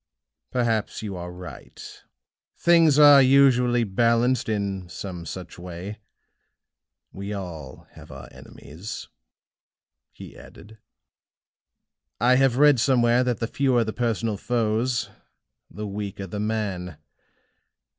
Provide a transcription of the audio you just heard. "Perhaps you are right things are usually balanced in some such way. We all have our enemies," he added. "I have read somewhere that the fewer the personal foes, the weaker the man.